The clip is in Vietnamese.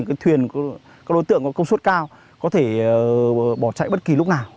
các đối tượng có công suất cao có thể bỏ chạy bất kỳ lúc nào